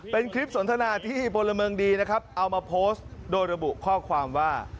เป็นคลิปสนทนาที่พลเมืองดีนะครับเอามาโพสต์โดยระบุข้อความว่า